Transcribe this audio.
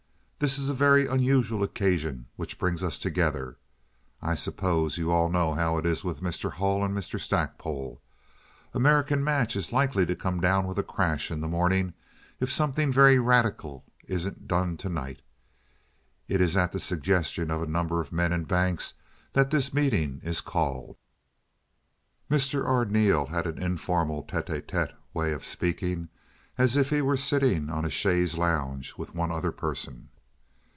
This is a very unusual occasion which brings us together. I suppose you all know how it is with Mr. Hull and Mr. Stackpole. American Match is likely to come down with a crash in the morning if something very radical isn't done to night. It is at the suggestion of a number of men and banks that this meeting is called." Mr. Arneel had an informal, tete a tete way of speaking as if he were sitting on a chaise longue with one other person.